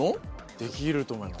できると思います。